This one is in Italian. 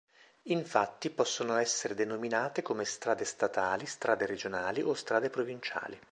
Infatti possono essere denominate come "strade statali", "strade regionali" o "strade provinciali".